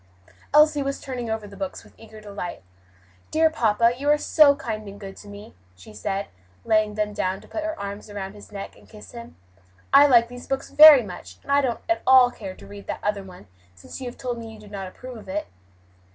Elsie was turning over the books with eager delight. "Dear papa, you are so kind and good to me," she said, laying them down to put her arms around his neck and kiss him. "I like these books very much, and I don't at all care to read that other one since you have told me you do not approve of it."